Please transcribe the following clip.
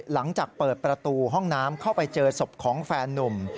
หลังจากเปิดประตูห้องน้ำเข้าไปเจอศพของแฟนนุ่ม